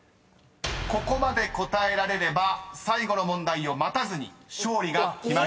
ここまで答えられれば最後の問題を待たずに勝利が決まります］